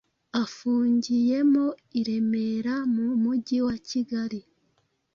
afungiyemo i Remera mu mujyi wa Kigali,